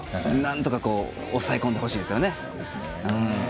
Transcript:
なんとか抑え込んでほしいですね。